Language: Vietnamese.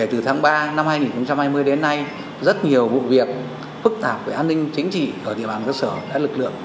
từ tháng ba năm hai nghìn hai mươi đến nay rất nhiều vụ việc phức tạp về an ninh chính trị ở địa bàn cơ sở